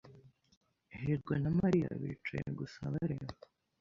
hirwa na Mariya bicaye gusa bareba.